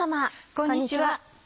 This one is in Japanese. こんにちは。